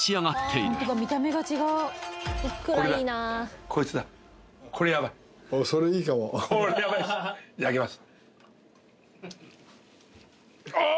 いただきます